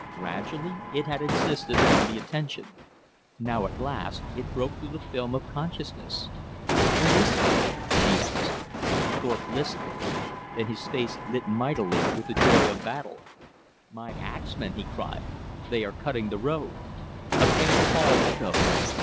Gradually it had insisted on the attention. Now at last it broke through the film of consciousness. "What is it?" she asked. Thorpe listened. Then his face lit mightily with the joy of battle. "My axmen," he cried. "They are cutting the road." A faint call echoed.